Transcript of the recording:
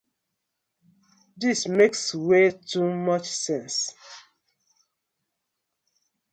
This makes way too much sense!